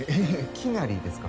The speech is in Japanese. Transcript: きなりですか？